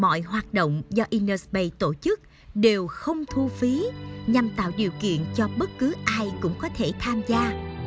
mọi hoạt động do inner space tổ chức đều không thu phí nhằm tạo điều kiện cho bất cứ ai cũng có thể tham gia